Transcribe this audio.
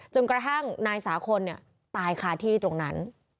จนกระทั่งนายสาขนเนี่ยตายค่าที่ตรงนั้น